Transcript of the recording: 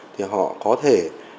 thì họ có thể